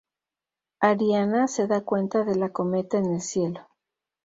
Ariana se da cuenta de la cometa en el cielo.